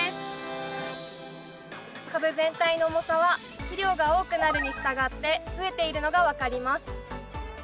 株全体の重さは肥料が多くなるにしたがって増えているのが分かります。